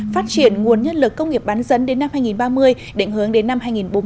phát triển nguồn nhân lực công nghiệp bán dẫn đến năm hai nghìn ba mươi định hướng đến năm hai nghìn bốn mươi